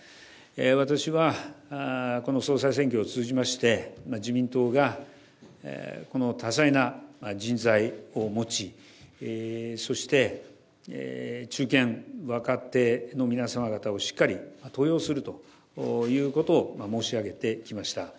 私は、この総裁選挙を通じまして、自民党がこの多彩な人材を持ち、そして中堅・若手の皆様方をしっかり登用するということを申し上げてきました。